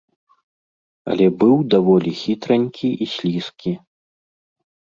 Але быў даволі хітранькі і слізкі.